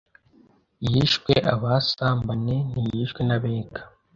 yishwe abasambane ntiyishwe n’Abega